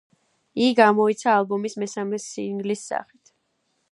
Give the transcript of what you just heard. იგი გამოიცა ალბომის მესამე სინგლის სახით.